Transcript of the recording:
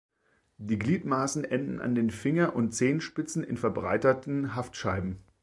Die Gliedmaßen enden an den Finger- und Zehenspitzen in verbreiterten Haftscheiben.